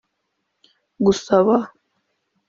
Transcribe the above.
gusaba